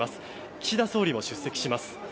岸田総理も出席します。